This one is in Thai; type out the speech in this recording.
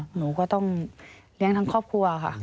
หนูก็ต้องเลี้ยงทั้งครอบครัวค่ะ